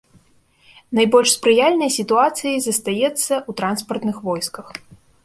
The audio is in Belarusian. Найбольш спрыяльнай сітуацыяй застаецца ў транспартных войсках.